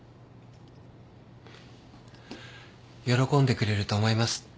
喜んでくれると思います。